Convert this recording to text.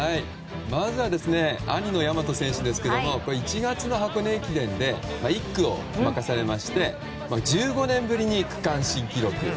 まず、兄の大和選手ですが１月の箱根駅伝で１区を任されまして１５年ぶりに区間新記録。